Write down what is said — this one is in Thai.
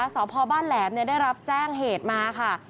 สพบ้านแหลมได้รับแจ้งเหตุมาค่ะ